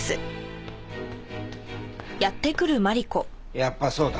やっぱそうだ。